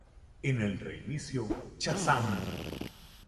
En el reinicio "Shazam!